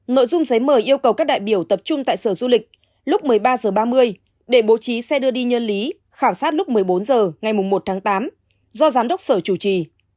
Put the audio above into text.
nội dung giấy mời yêu cầu các đại biểu tập trung tại sở du lịch lúc một mươi ba h ba mươi để bố trí xe đưa đi nhân lý khảo sát lúc một mươi bốn h ngày một tháng tám do giám đốc sở chủ trì